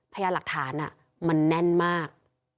พยายามหลักฐานมันแน่นมาก